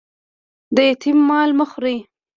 د یتیم مال مه خورئ